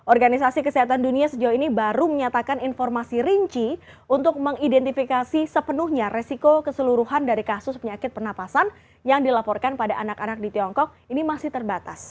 organisasi kesehatan dunia sejauh ini baru menyatakan informasi rinci untuk mengidentifikasi sepenuhnya resiko keseluruhan dari kasus penyakit pernapasan yang dilaporkan pada anak anak di tiongkok ini masih terbatas